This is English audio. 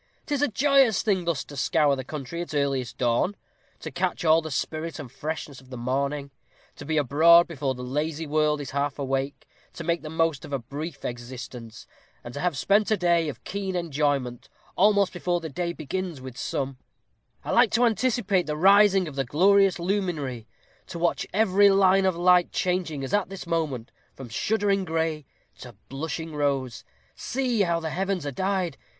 'Tis a joyous thing thus to scour the country at earliest dawn; to catch all the spirit and freshness of the morning; to be abroad before the lazy world is half awake; to make the most of a brief existence; and to have spent a day of keen enjoyment, almost before the day begins with some. I like to anticipate the rising of the glorious luminary; to watch every line of light changing, as at this moment, from shuddering gray to blushing rose! See how the heavens are dyed!